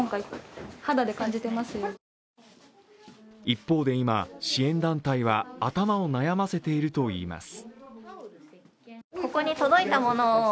一方で今、支援団体は頭を悩ませているといいます。